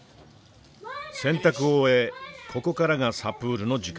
洗濯を終えここからがサプールの時間。